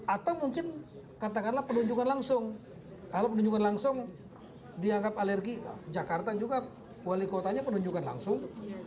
atau mungkin katakanlah penunjukan langsung kalau penunjukan langsung dianggap alergi jakarta juga wali kotanya penunjukan langsung